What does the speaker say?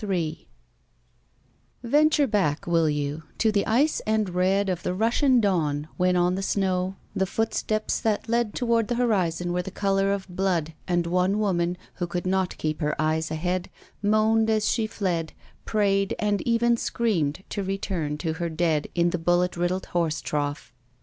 Ill Venture back, will you, to the ice and red of that Russian dawn when on the snow the footsteps that 26s ROULETTE led toward the horizon were the color of blood, and one woman, who could not keep her eyes ahead, moaned as she fled, prayed, and even screamed to return to her dead in the bullet riddled horse trough.